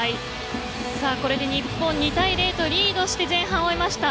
これで日本、２対０とリードして前半を終えました。